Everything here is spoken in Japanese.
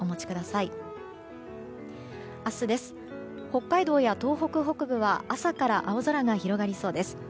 北海道や東北北部は朝から青空が広がりそうです。